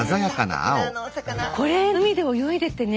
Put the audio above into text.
これ海で泳いでてね